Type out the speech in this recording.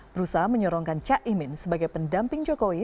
berusaha menyorongkan cak imin sebagai pendamping jokowi